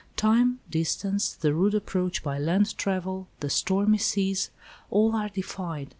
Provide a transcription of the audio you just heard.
Time, distance, the rude approach by land travel, the stormy seas, all are defied.